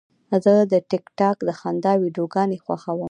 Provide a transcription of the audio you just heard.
زه د ټک ټاک د خندا ویډیوګانې خوښوم.